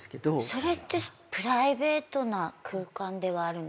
それってプライベートな空間ではあるんですか？